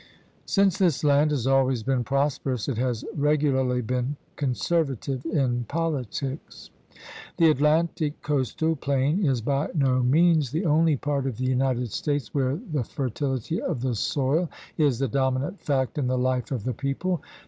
Since this land has always been prosperous, it has regularly been conservative in politics. The Atlantic coastal plain is by no means the GEOGRAPHIC PROVINCES 71 only part of the United States where the fertility of the soil is the dominant fact in the life of the people.